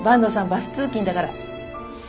バス通勤だから。